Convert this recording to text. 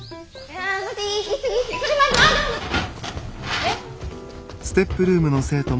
えっ？